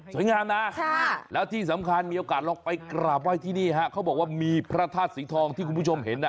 งามนะแล้วที่สำคัญมีโอกาสลองไปกราบไห้ที่นี่ฮะเขาบอกว่ามีพระธาตุสีทองที่คุณผู้ชมเห็นน่ะ